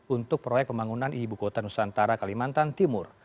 untuk proyek pembangunan ibu kota nusantara kalimantan timur